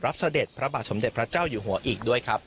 เสด็จพระบาทสมเด็จพระเจ้าอยู่หัวอีกด้วยครับ